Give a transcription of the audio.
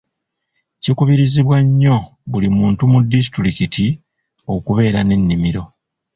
Kikubirizibwa nnyo buli muntu mu disitulikiti okubeera n'ennimiro.